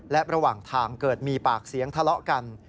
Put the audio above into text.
และระหว่างทางเกิดมีปากเสียงทะเลาะกัน